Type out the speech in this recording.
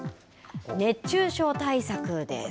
熱中症対策です。